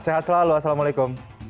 sehat selalu assalamualaikum